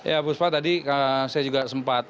ya puspa tadi saya juga sempat